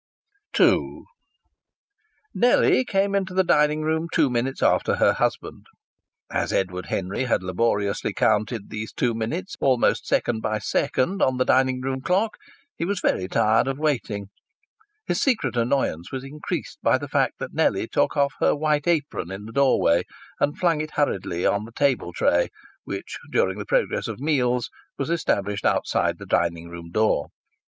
II Nellie came into the dining room two minutes after her husband. As Edward Henry had laboriously counted these two minutes almost second by second on the dining room clock, he was very tired of waiting. His secret annoyance was increased by the fact that Nellie took off her white apron in the doorway and flung it hurriedly on to the table tray which, during the progress of meals, was established outside the dining room door.